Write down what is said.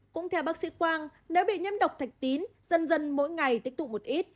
cũng theo bác sĩ quang nếu bị nhiễm độc thạch tín dần dần mỗi ngày tích tụ một ít